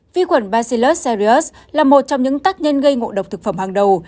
vi khuẩn bacillus crius là một trong những tác nhân gây ngộ độc thực phẩm hàng đầu